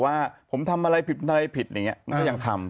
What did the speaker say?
ว่าผมทำอะไรผิดอะไรผิดอย่างนี้มันก็ยังทำ